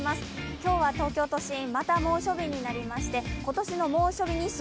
今日は東京都心、また猛暑日になりまして今年の猛暑日日数